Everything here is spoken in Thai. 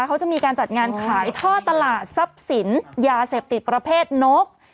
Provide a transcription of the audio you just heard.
เขาจะมีการจัดงานขายท่อตลาดทรัพย์สินยาเสพติดประเภทนก